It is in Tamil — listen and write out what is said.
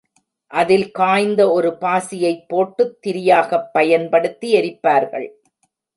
அதில் காய்ந்த ஒரு பாசியைப் போட்டுத் திரியாகப் பயன்படுத்தி எரிப்பார்கள்.